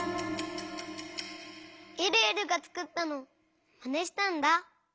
えるえるがつくったのをまねしたんだ。